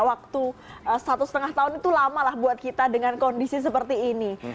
waktu satu setengah tahun itu lama lah buat kita dengan kondisi seperti ini